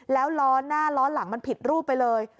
แล้วล้อหน้าล้อหลังมันผิดรูปไปเลย